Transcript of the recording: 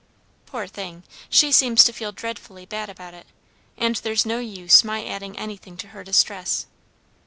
Poor thing, she seems to feel dreadfully bad about it, and there's no use my adding anything to her distress."